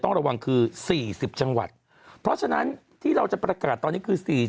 ต้องระวังคือ๔๐จังหวัดเพราะฉะนั้นที่เราจะประกาศตอนนี้คือ๔๐